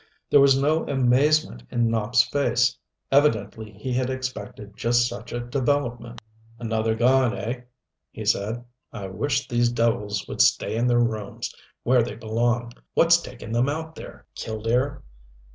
There was no amazement in Nopp's face. Evidently he had expected just such a development. "Another gone, eh?" he said. "I wish these devils would stay in their rooms, where they belong. What's taking them out there, Killdare?"